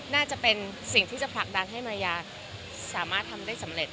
น่าจะเป็นสิ่งที่จะผลักดันให้มายาสามารถทำได้สำเร็จ